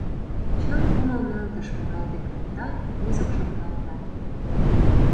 Чон-кумыл нӧлтыш муралтен колтат, музык шокталта...